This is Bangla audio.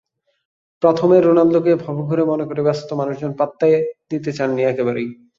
প্রথমে রোনালদোকে ভবঘুরে মনে করে ব্যস্ত মানুষজন পাত্তা দিতে চাননি একেবারেই।